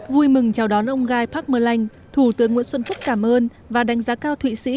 vui mừng chào đón ông gai park mơ lanh thủ tướng nguyễn xuân phúc cảm ơn và đánh giá cao thụy sĩ